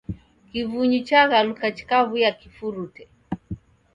Kivunyu chaghaluka chikaw'uya kifurute